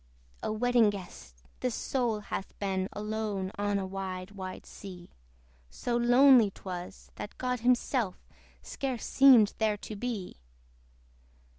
O Wedding Guest! this soul hath been Alone on a wide wide sea: So lonely 'twas, that God himself Scarce seemed there to be.